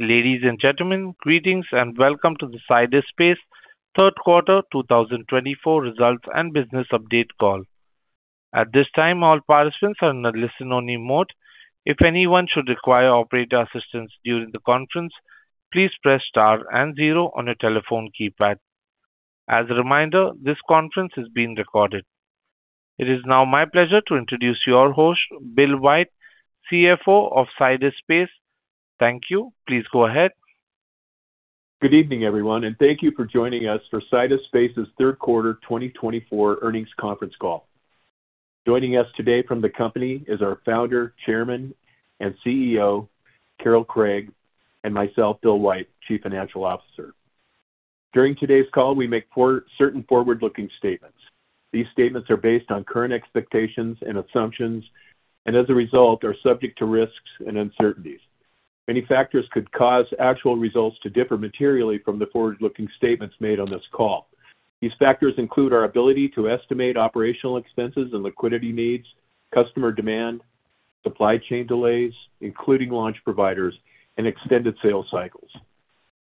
Ladies and gentlemen, greetings and welcome to the Sidus Space Q3 2024 Results and Business Update call. At this time, all participants are in a listen-only mode. If anyone should require operator assistance during the conference, please press star and zero on your telephone keypad. As a reminder, this conference is being recorded. It is now my pleasure to introduce your host, Bill White, CFO of Sidus Space. Thank you. Please go ahead. Good evening, everyone, and thank you for joining us for Sidus Space's Q3 2024 Earnings Conference call. Joining us today from the company is our Founder, Chairman, and CEO, Carol Craig, and myself, Bill White, Chief Financial Officer. During today's call, we make certain forward-looking statements. These statements are based on current expectations and assumptions and, as a result, are subject to risks and uncertainties. Many factors could cause actual results to differ materially from the forward-looking statements made on this call. These factors include our ability to estimate operational expenses and liquidity needs, customer demand, supply chain delays, including launch providers, and extended sales cycles.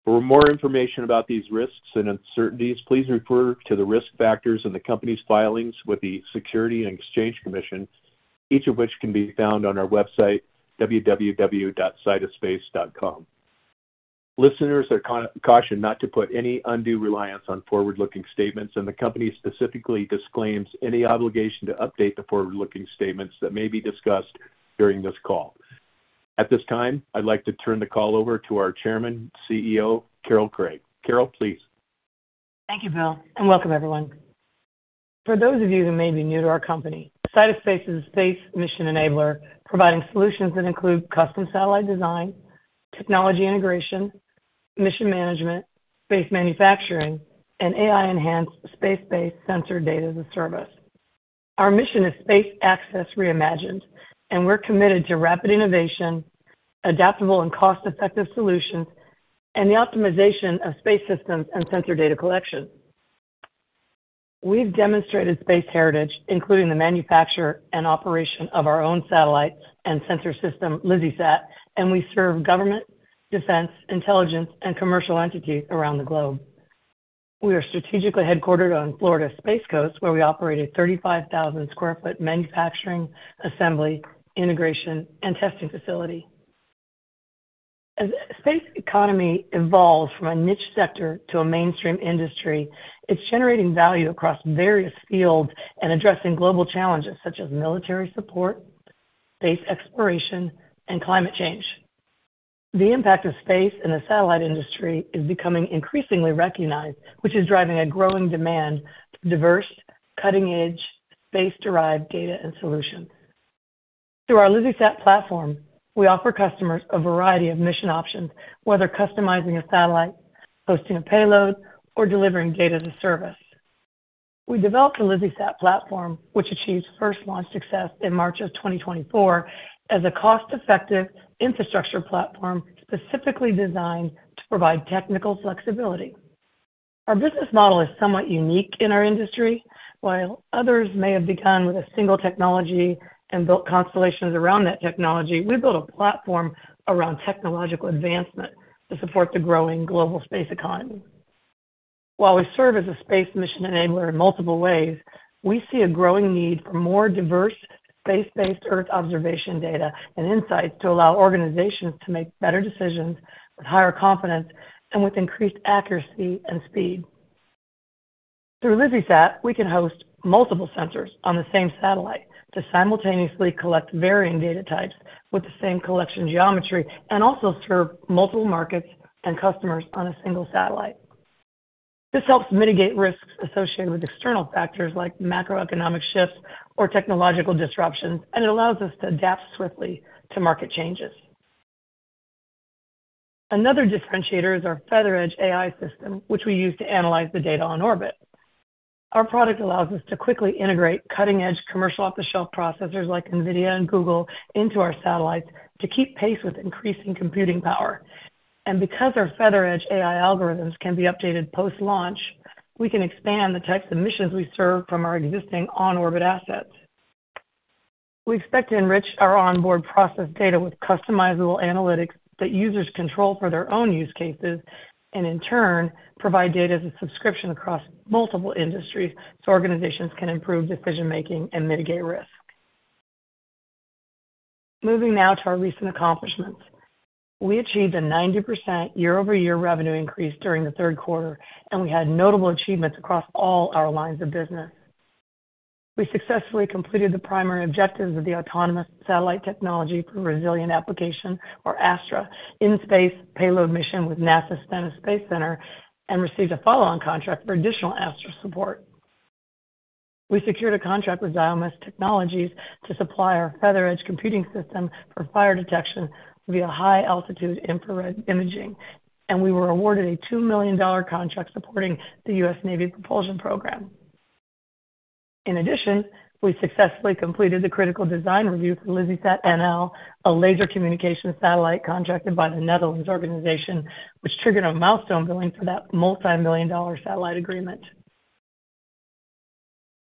For more information about these risks and uncertainties, please refer to the risk factors in the company's filings with the Securities and Exchange Commission, each of which can be found on our website, www.SidusSpace.com. Listeners are cautioned not to put any undue reliance on forward-looking statements, and the company specifically disclaims any obligation to update the forward-looking statements that may be discussed during this call. At this time, I'd like to turn the call over to our Chairman, CEO, Carol Craig. Carol, please. Thank you, Bill, and welcome, everyone. For those of you who may be new to our company, Sidus Space is a space mission enabler providing solutions that include custom satellite design, technology integration, mission management, space manufacturing, and AI-enhanced space-based sensor data as a service. Our mission is Space Access Reimagined, and we're committed to rapid innovation, adaptable and cost-effective solutions, and the optimization of space systems and sensor data collection. We've demonstrated space heritage, including the manufacture and operation of our own satellites and sensor system, LizzieSat, and we serve government, defense, intelligence, and commercial entities around the globe. We are strategically headquartered on Florida's Space Coast, where we operate a 35,000-sq-ft manufacturing, assembly, integration, and testing facility. As the space economy evolves from a niche sector to a mainstream industry, it's generating value across various fields and addressing global challenges such as military support, space exploration, and climate change. The impact of space in the satellite industry is becoming increasingly recognized, which is driving a growing demand for diverse, cutting-edge, space-derived data and solutions. Through our LizzieSat platform, we offer customers a variety of mission options, whether customizing a satellite, hosting a payload, or delivering data as a service. We developed the LizzieSat platform, which achieved first launch success in March of 2024, as a cost-effective infrastructure platform specifically designed to provide technical flexibility. Our business model is somewhat unique in our industry. While others may have begun with a single technology and built constellations around that technology, we built a platform around technological advancement to support the growing global space economy. While we serve as a space mission enabler in multiple ways, we see a growing need for more diverse space-based Earth observation data and insights to allow organizations to make better decisions with higher confidence and with increased accuracy and speed. Through LizzieSat, we can host multiple sensors on the same satellite to simultaneously collect varying data types with the same collection geometry and also serve multiple markets and customers on a single satellite. This helps mitigate risks associated with external factors like macroeconomic shifts or technological disruptions, and it allows us to adapt swiftly to market changes. Another differentiator is our FeatherEdge AI system, which we use to analyze the data on orbit. Our product allows us to quickly integrate cutting-edge commercial off-the-shelf processors like NVIDIA and Google into our satellites to keep pace with increasing computing power. And because our FeatherEdge AI algorithms can be updated post-launch, we can expand the types of missions we serve from our existing on-orbit assets. We expect to enrich our onboard process data with customizable analytics that users control for their own use cases and, in turn, provide data as a subscription across multiple industries so organizations can improve decision-making and mitigate risk. Moving now to our recent accomplishments. We achieved a 90% year-over-year revenue increase during the Q3, and we had notable achievements across all our lines of business. We successfully completed the primary objectives of the Autonomous Satellite Technology for Resilient Applications, or ASTRA, in-space payload mission with NASA's Stennis Space Center and received a follow-on contract for additional ASTRA support. We secured a contract with Xiomas Technologies to supply our FeatherEdge computing system for fire detection via high-altitude infrared imaging, and we were awarded a $2 million contract supporting the U.S. Navy Propulsion Program. In addition, we successfully completed the critical design review for LizzieSat-NL, a laser communication satellite contracted by the Netherlands Organization, which triggered a milestone billing for that multi-million dollar satellite agreement.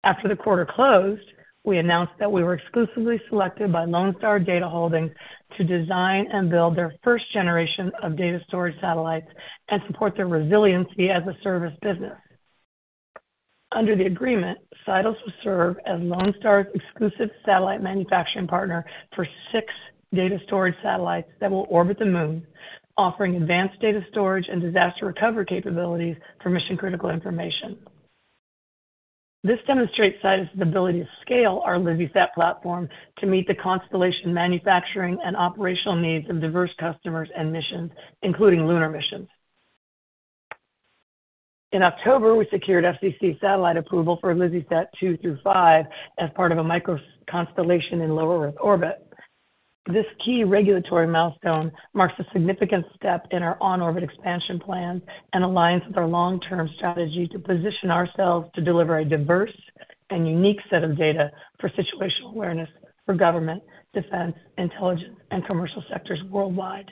After the quarter closed, we announced that we were exclusively selected by Lone Star Data Holdings to design and build their first generation of data storage satellites and support their resiliency as a service business. Under the agreement, Sidus will serve as Lone Star's exclusive satellite manufacturing partner for six data storage satellites that will orbit the Moon, offering advanced data storage and disaster recovery capabilities for mission-critical information. This demonstrates Sidus's ability to scale our LizzieSat platform to meet the constellation manufacturing and operational needs of diverse customers and missions, including lunar missions. In October, we secured FCC satellite approval for LizzieSat 2 through 5 as part of a micro-constellation in low Earth orbit. This key regulatory milestone marks a significant step in our on-orbit expansion plan and aligns with our long-term strategy to position ourselves to deliver a diverse and unique set of data for situational awareness for government, defense, intelligence, and commercial sectors worldwide.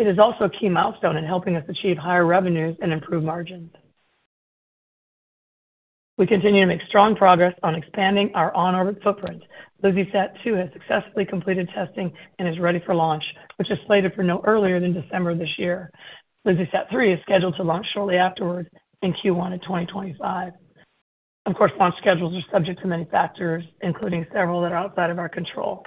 It is also a key milestone in helping us achieve higher revenues and improve margins. We continue to make strong progress on expanding our on-orbit footprint. LizzieSat 2 has successfully completed testing and is ready for launch, which is slated for no earlier than December of this year. LizzieSat 3 is scheduled to launch shortly afterwards in Q1 of 2025. Of course, launch schedules are subject to many factors, including several that are outside of our control.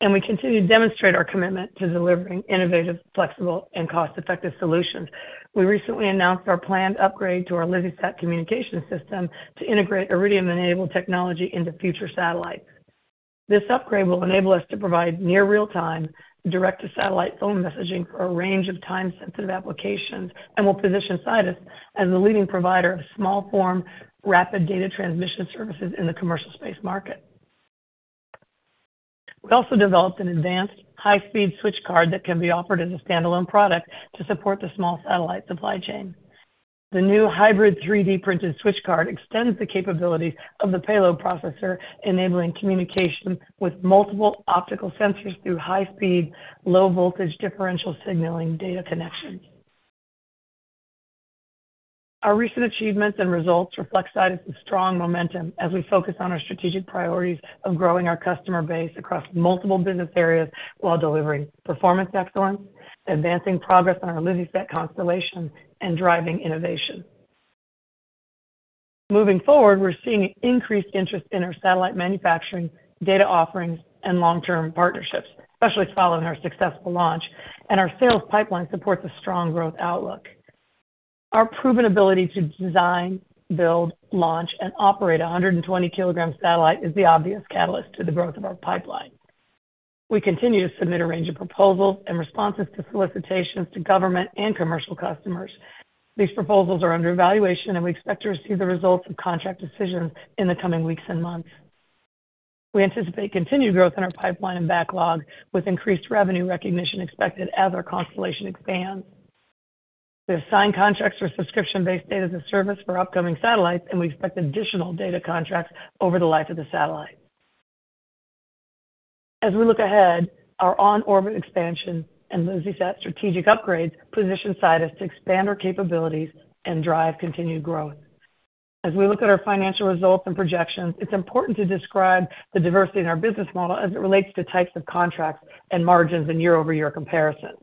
And we continue to demonstrate our commitment to delivering innovative, flexible, and cost-effective solutions. We recently announced our planned upgrade to our LizzieSat communication system to integrate Iridium-enabled technology into future satellites. This upgrade will enable us to provide near real-time, direct-to-satellite phone messaging for a range of time-sensitive applications and will position Sidus as the leading provider of small-form, rapid data transmission services in the commercial space market. We also developed an advanced high-speed switch card that can be offered as a standalone product to support the small satellite supply chain. The new hybrid 3D-printed switch card extends the capabilities of the payload processor, enabling communication with multiple optical sensors through high-speed, low-voltage differential signaling data connections. Our recent achievements and results reflect Sidus's strong momentum as we focus on our strategic priorities of growing our customer base across multiple business areas while delivering performance excellence, advancing progress on our LizzieSat constellation, and driving innovation. Moving forward, we're seeing increased interest in our satellite manufacturing, data offerings, and long-term partnerships, especially following our successful launch, and our sales pipeline supports a strong growth outlook. Our proven ability to design, build, launch, and operate a 120 kilogram satellite is the obvious catalyst to the growth of our pipeline. We continue to submit a range of proposals and responses to solicitations to government and commercial customers. These proposals are under evaluation, and we expect to receive the results of contract decisions in the coming weeks and months. We anticipate continued growth in our pipeline and backlog, with increased revenue recognition expected as our constellation expands. We have signed contracts for subscription-based data as a service for upcoming satellites, and we expect additional data contracts over the life of the satellite. As we look ahead, our on-orbit expansion and LizzieSat strategic upgrades position Sidus to expand our capabilities and drive continued growth. As we look at our financial results and projections, it's important to describe the diversity in our business model as it relates to types of contracts and margins in year-over-year comparisons.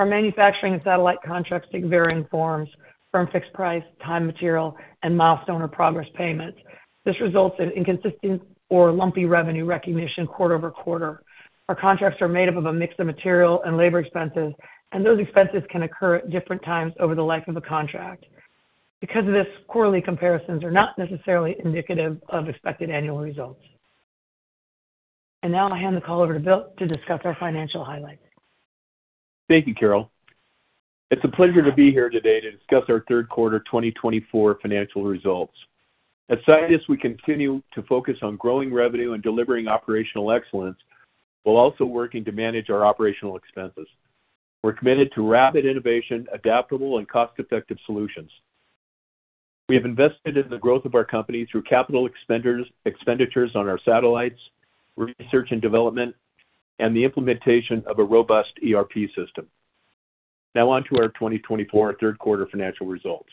Our manufacturing and satellite contracts take varying forms: firm fixed price, time material, and milestone or progress payments. This results in inconsistent or lumpy revenue recognition quarter over quarter. Our contracts are made up of a mix of material and labor expenses, and those expenses can occur at different times over the life of a contract. Because of this, quarterly comparisons are not necessarily indicative of expected annual results. Now I'll hand the call over to Bill to discuss our financial highlights. Thank you, Carol. It's a pleasure to be here today to discuss our Q3 2024 financial results. At Sidus, we continue to focus on growing revenue and delivering operational excellence while also working to manage our operational expenses. We're committed to rapid innovation, adaptable, and cost-effective solutions. We have invested in the growth of our company through capital expenditures on our satellites, research and development, and the implementation of a robust ERP system. Now on to our 2024 Q3 financial results.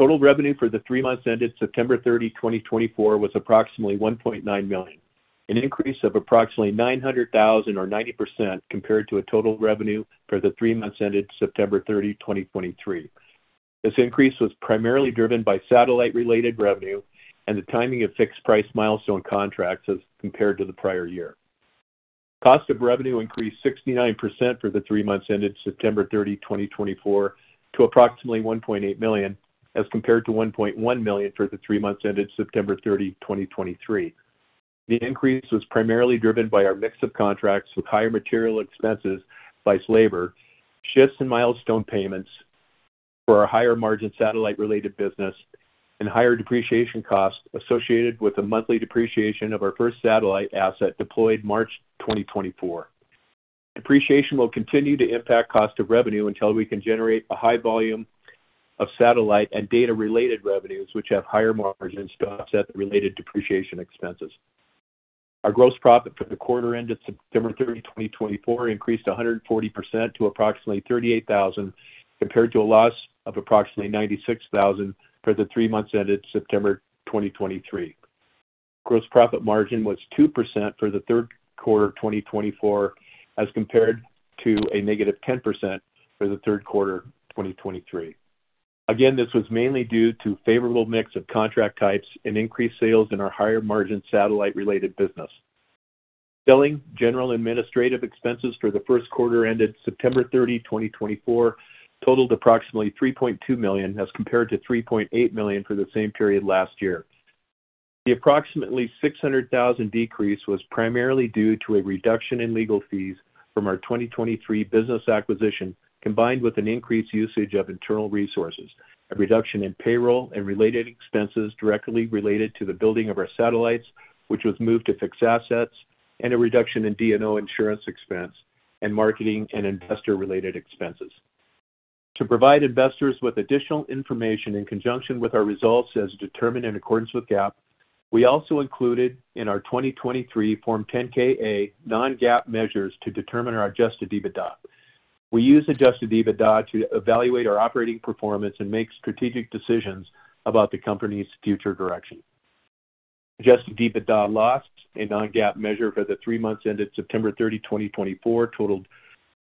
Total revenue for the three months ended September 30, 2024, was approximately $1.9 million, an increase of approximately $900,000 or 90% compared to a total revenue for the three months ended September 30, 2023. This increase was primarily driven by satellite-related revenue and the timing of fixed-price milestone contracts as compared to the prior year. Cost of revenue increased 69% for the three months ended September 30, 2024, to approximately $1.8 million, as compared to $1.1 million for the three months ended September 30, 2023. The increase was primarily driven by our mix of contracts with higher material expenses/labor, shifts in milestone payments for our higher-margin satellite-related business, and higher depreciation costs associated with the monthly depreciation of our first satellite asset deployed March 2024. Depreciation will continue to impact cost of revenue until we can generate a high volume of satellite and data-related revenues, which have higher margins to offset the related depreciation expenses. Our gross profit for the quarter ended September 30, 2024, increased 140% to approximately $38,000 compared to a loss of approximately $96,000 for the three months ended September 2023. Gross profit margin was 2% for the Q3 2024, as compared to a negative 10% for the Q3 2023. Again, this was mainly due to a favorable mix of contract types and increased sales in our higher-margin satellite-related business. Selling, general and administrative expenses for the Q1 ended September 30, 2024, totaled approximately $3.2 million, as compared to $3.8 million for the same period last year. The approximately $600,000 decrease was primarily due to a reduction in legal fees from our 2023 business acquisition, combined with an increased usage of internal resources, a reduction in payroll and related expenses directly related to the building of our satellites, which was moved to fixed assets, and a reduction in D&O insurance expense and marketing and investor-related expenses. To provide investors with additional information in conjunction with our results as determined in accordance with GAAP, we also included in our 2023 Form 10-K/A non-GAAP measures to determine our adjusted EBITDA. We use adjusted EBITDA to evaluate our operating performance and make strategic decisions about the company's future direction. Adjusted EBITDA loss, a non-GAAP measure for the three months ended 30 September 2024, totaled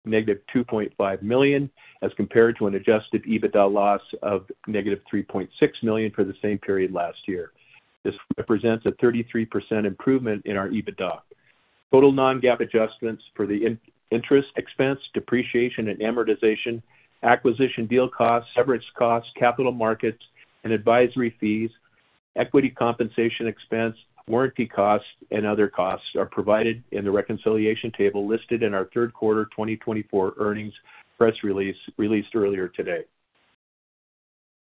negative $2.5 million, as compared to an adjusted EBITDA loss of negative $3.6 million for the same period last year. This represents a 33% improvement in our EBITDA. Total non-GAAP adjustments for the interest expense, depreciation, and amortization, acquisition deal costs, severance costs, capital markets, and advisory fees, equity compensation expense, warranty costs, and other costs are provided in the reconciliation table listed in our Q3 2024 earnings press release released earlier today.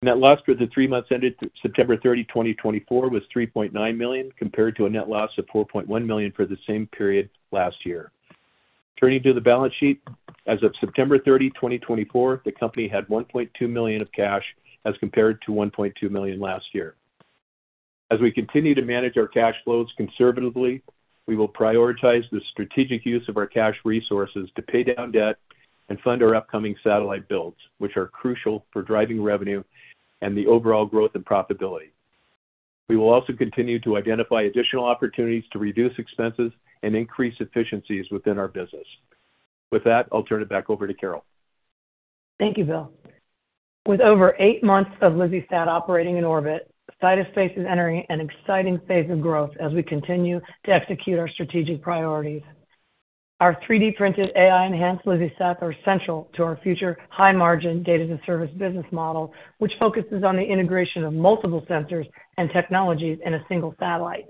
Net loss for the three months ended September 30, 2024, was $3.9 million compared to a net loss of $4.1 million for the same period last year. Turning to the balance sheet, as of September 30, 2024, the company had $1.2 million of cash as compared to $1.2 million last year. As we continue to manage our cash flows conservatively, we will prioritize the strategic use of our cash resources to pay down debt and fund our upcoming satellite builds, which are crucial for driving revenue and the overall growth and profitability. We will also continue to identify additional opportunities to reduce expenses and increase efficiencies within our business. With that, I'll turn it back over to Carol. Thank you, Bill. With over eight months of LizzieSat operating in orbit, Sidus Space is entering an exciting phase of growth as we continue to execute our strategic priorities. Our 3D-printed AI-enhanced LizzieSat are central to our future high-margin data-as-a-service business model, which focuses on the integration of multiple sensors and technologies in a single satellite.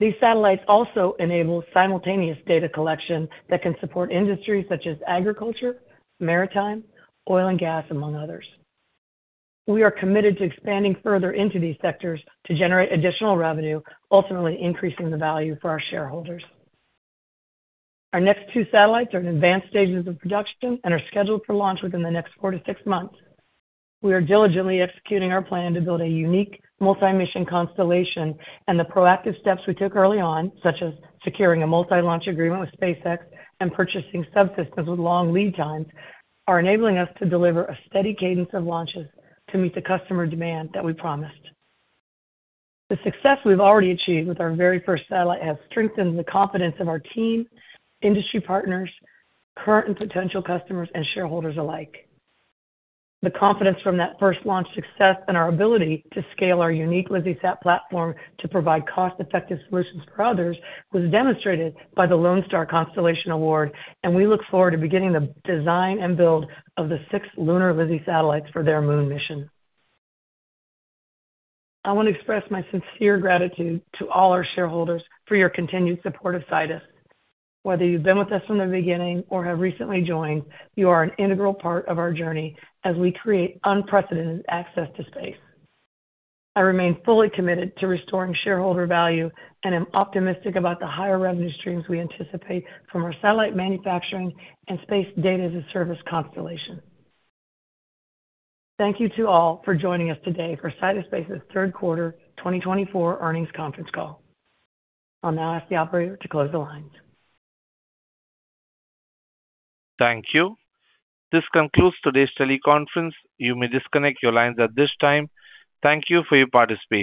These satellites also enable simultaneous data collection that can support industries such as agriculture, maritime, oil and gas, among others. We are committed to expanding further into these sectors to generate additional revenue, ultimately increasing the value for our shareholders. Our next two satellites are in advanced stages of production and are scheduled for launch within the next four to six months. We are diligently executing our plan to build a unique multi-mission constellation, and the proactive steps we took early on, such as securing a multi-launch agreement with SpaceX and purchasing subsystems with long lead times, are enabling us to deliver a steady cadence of launches to meet the customer demand that we promised. The success we've already achieved with our very first satellite has strengthened the confidence of our team, industry partners, current and potential customers, and shareholders alike. The confidence from that first launch success and our ability to scale our unique LizzieSat platform to provide cost-effective solutions for others was demonstrated by the Lone Star Constellation Award, and we look forward to beginning the design and build of the six lunar LizzieSat satellites for their moon mission. I want to express my sincere gratitude to all our shareholders for your continued support of Sidus. Whether you've been with us from the beginning or have recently joined, you are an integral part of our journey as we create unprecedented access to space. I remain fully committed to restoring shareholder value and am optimistic about the higher revenue streams we anticipate from our satellite manufacturing and space data-as-a-service constellation. Thank you to all for joining us today for Sidus Space's Q3 2024 earnings conference call. I'll now ask the operator to close the lines. Thank you. This concludes today's teleconference. You may disconnect your lines at this time. Thank you for your participation.